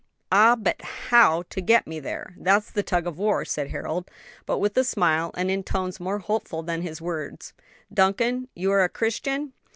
"Ah, but how to get me there? that's the tug of war," said Harold, but with a smile and in tones more hopeful than his words. "Duncan, you are a Christian?"